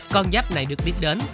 con giáp này được biết đến